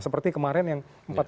seperti kemarin yang empat sebelas